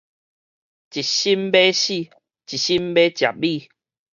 一心欲死，一心欲食米